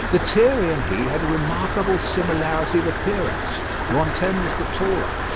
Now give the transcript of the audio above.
Lethierry and he had a remarkable similarity of appearance: Rantaine was the taller.